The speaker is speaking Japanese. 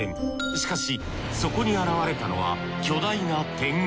しかしそこに現れたのは巨大な天狗。